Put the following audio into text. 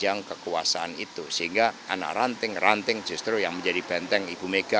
anak ranting ranting justru yang menjadi benteng ibu mega